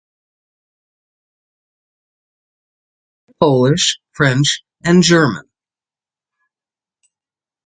His poetry has been translated into Spanish, Polish, French and German.